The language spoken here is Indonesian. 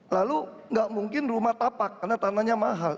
lalu nggak mungkin rumah tapak karena tanahnya mahal